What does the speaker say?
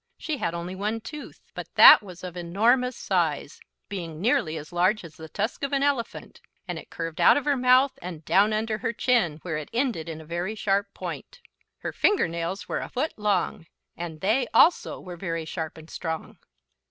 She had only one tooth, but that was of enormous size, being nearly as large as the tusk of an elephant; and it curved out of her mouth and down under her chin, where it ended in a very sharp point. Her finger nails were a foot long, and they, also, were very sharp and strong.